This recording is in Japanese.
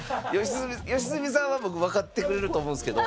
良純さんは僕分かってくれると思うんですけど。